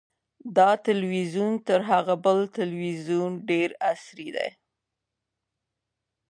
دا تلویزیون تر هغه بل تلویزیون ډېر عصري دی.